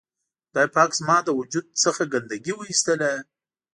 خدای پاک زما له وجود څخه ګندګي و اېستله.